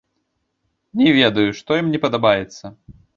Не ведаю, што ім не падабаецца.